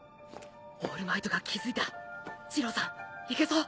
オールマイトが気付いた耳郎さん行けそう？